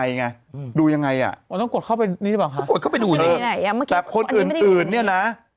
ทุกคนไลท์ไหม